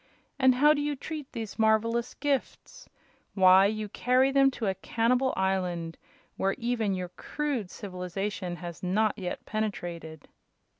And how do you treat these marvelous gifts? Why, you carry them to a cannibal island, where even your crude civilization has not yet penetrated!"